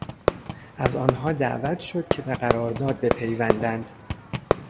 از آنها دعوت شد که به قرارداد بپیوندند.